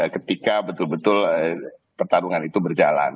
ketika betul betul pertarungan itu berjalan